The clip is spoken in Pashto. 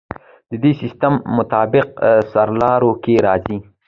دې سیستم مطابق سرلارو کې راځي.